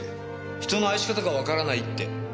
人の愛し方がわからないって。